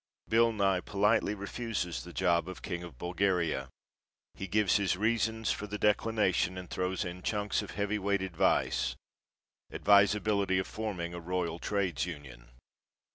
BILL NYE POLITELY REFUSES THE JOB OF KING OF BULGARIA. HE GIVES HIS REASONS FOR THE DECLINATION AND THROWS IN CHUNKS OF HEAVY WEIGHT ADVICE ADVISABILITY OF FORMING A ROYAL TRADES UNION.